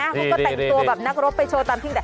กลุ่มตัวแบบนักรบไปโชว์ตามพิ่งแต่ง